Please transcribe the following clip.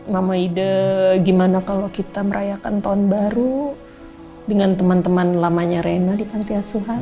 mama ide gimana kalau kita merayakan tahun baru dengan teman teman lamanya reyna di pantiasuhan